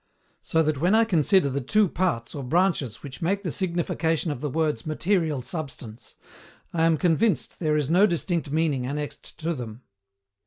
So that when I consider the TWO PARTS or branches which make the signification of the words MATERIAL SUBSTANCE, I am convinced there is no distinct meaning annexed to them.